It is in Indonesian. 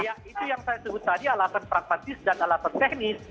ya itu yang saya sebut tadi alasan pragmatis dan alasan teknis